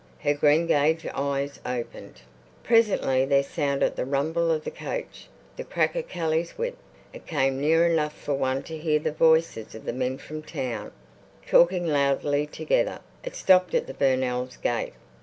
Her greengage eyes opened. Presently there sounded the rumble of the coach, the crack of Kelly's whip. It came near enough for one to hear the voices of the men from town, talking loudly together. It stopped at the Burnells' gate.